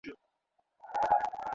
ক্রোধে জ্বলে উঠলেন।